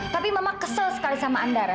tapi memang kesel sekali sama andara